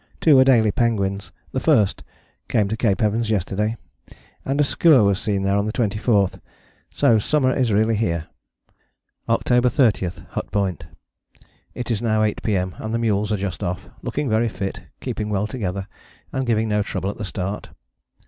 Two Adélie penguins, the first, came to Cape Evans yesterday, and a skua was seen there on the 24th: so summer is really here. October 30. Hut Point. It is now 8 P.M., and the mules are just off, looking very fit, keeping well together, and giving no trouble at the start.